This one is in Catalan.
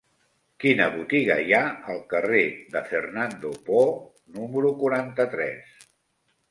Quina botiga hi ha al carrer de Fernando Poo número quaranta-tres?